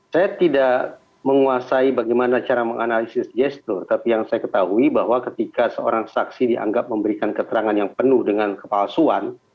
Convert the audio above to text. saya tidak menguasai bagaimana cara menganalisis gestur tapi yang saya ketahui bahwa ketika seorang saksi dianggap memberikan keterangan yang penuh dengan kepalsuan